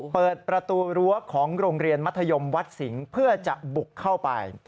เปิดประตูรั้วของโรงเรียนมัธยมวัดสิงห์เพื่อจะบุกเข้าไป